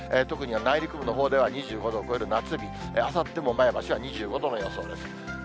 特には内陸部のほうでは２５度を超える夏日、あさっても前橋は２５度の予想です。